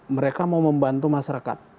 mereka mau membantu masyarakat